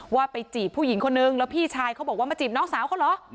ว่าไปจีบผู้หญิงคนนึงแล้วพี่ชายเขาบอกว่ามาจีบน้องสาวเขาเหรอ